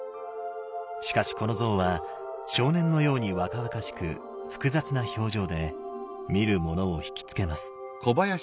しかしこの像は少年のように若々しく複雑な表情で見るものをひきつけます。